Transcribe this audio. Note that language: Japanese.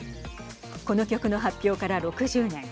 この曲の発表から６０年。